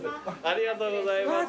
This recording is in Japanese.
ありがとうございます。